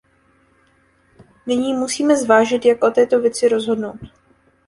Nyní musíme zvážit, jak o této věci rozhodnout.